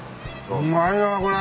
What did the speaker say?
うまいなこれ。